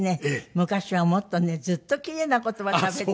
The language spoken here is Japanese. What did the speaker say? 昔はもっとねずっと奇麗な言葉しゃべって。